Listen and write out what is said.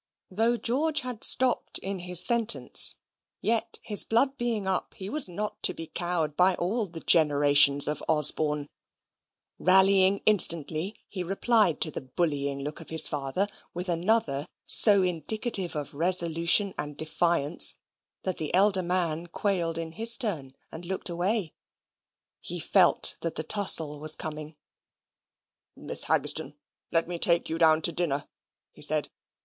Though George had stopped in his sentence, yet, his blood being up, he was not to be cowed by all the generations of Osborne; rallying instantly, he replied to the bullying look of his father, with another so indicative of resolution and defiance that the elder man quailed in his turn, and looked away. He felt that the tussle was coming. "Mrs. Haggistoun, let me take you down to dinner," he said.